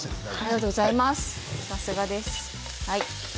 さすがです。